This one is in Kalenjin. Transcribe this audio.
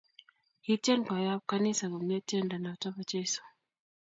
Kityen kwaya ab kanisa komnye tiendo noto ab Jeso